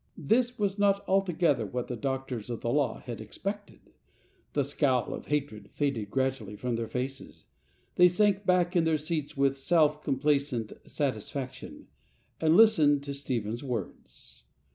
This was not altogether what the Doctors of the Law had expected. The scowl of hatred faded gradually from their faces; they sank back in their seats with self complacent satisfaction, and listened to Stephen's words.